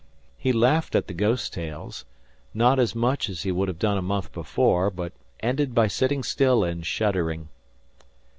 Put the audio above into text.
He laughed at the ghost tales, not as much as he would have done a month before, but ended by sitting still and shuddering.